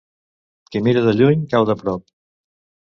Qui mira de lluny, cau de prop.